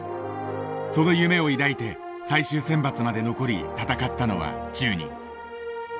その夢を抱いて最終選抜まで残り闘ったのは１０人。